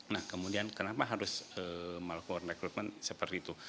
nah kemudian kenapa harus melakukan rekrutmen seperti itu